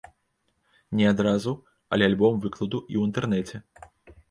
Не адразу, але альбом выкладу і ў інтэрнэце.